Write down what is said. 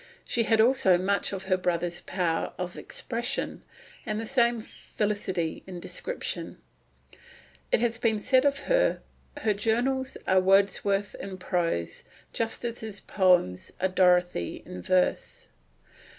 She had also much of her brother's power of expression, and the same felicity in description. It has been said of her, "Her journals are Wordsworth in prose, just as his poems are Dorothy in verse."